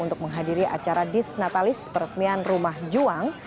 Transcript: untuk menghadiri acara disnatalis peresmian rumah juang